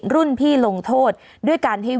รุ่นพี่ลงโทษด้วยการให้